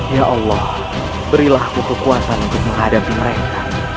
ya allah berilah ku kekuatan untuk menghadapi mereka